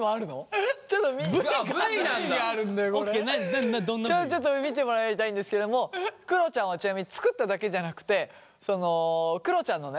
ちょっと見てもらいたいんですけどもくろちゃんはちなみに作っただけじゃなくてくろちゃんのね